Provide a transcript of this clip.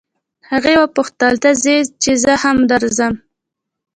هغې وپوښتل ته ځې چې زه هم درځم.